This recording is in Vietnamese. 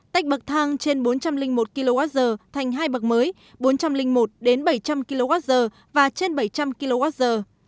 tách bậc thang trên bốn trăm linh một kwh thành hai bậc mới bốn trăm linh một đến bảy trăm linh kwh và trên bảy trăm linh kwh